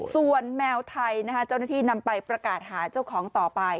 ส่วนแมวไทยเจ้าหน้าที่นำไปประกาศหาเจ้าของต่อไป